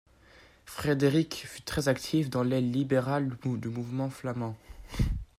Fredericq fut très actif dans l'aile libérale du mouvement flamand.